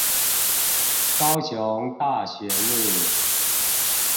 高雄大學路